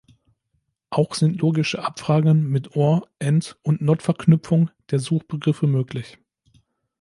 Auch sind logische Abfragen mit or-, and- und not-Verknüpfung der Suchbegriffe möglich.